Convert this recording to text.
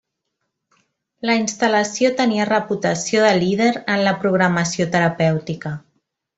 La instal·lació tenia reputació de líder en la programació terapèutica.